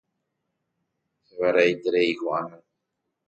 Chevare'aiterei ko'ág̃a.